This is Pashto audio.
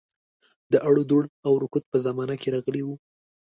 د اړودوړ او رکود په زمانه کې راغلی وو.